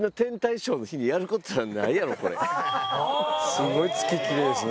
松尾：すごい月きれいですね。